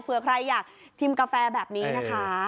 เผื่อใครอยากทิมกาแฟแบบนี้นะคะ